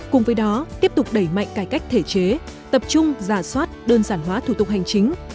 cùng với đó tiếp tục đẩy mạnh cải cách thể chế tập trung giả soát đơn giản hóa thủ tục hành chính